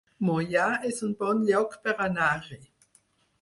Moià es un bon lloc per anar-hi